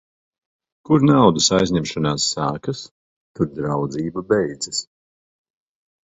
Kur naudas aizņemšanās sākas, tur draudzība beidzas.